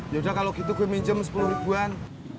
yaudah kalau gitu gue minjem sepuluh ribuan